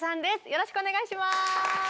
よろしくお願いします。